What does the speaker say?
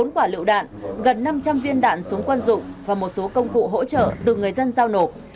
bốn quả lựu đạn gần năm trăm linh viên đạn súng quân dụng và một số công cụ hỗ trợ từ người dân giao nộp